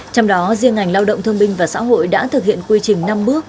trong đó riêng ngành lao động thương minh và xã hội đã thực hiện quy trình năm bước